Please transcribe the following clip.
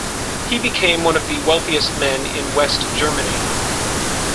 He became one of the wealthiest men in West Germany.